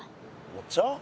お茶？